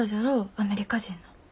アメリカ人の。